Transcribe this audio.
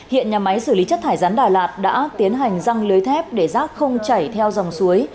hiện nhà máy xử lý chất thải rắn đà lạt đã tiến hành răng lưới thép để rác không chảy theo dòng suối